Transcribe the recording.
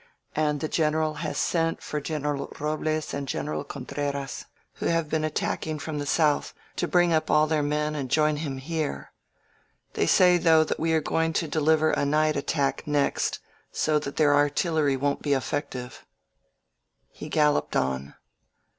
And the Greneral has sent for General Robles and General Contreras, who have been attacking from the south, to bring up all their men and join him here. .•• They say, though, that we are going to deliver a night attack next, so that their artillery won't be effective. •••" He galloped on.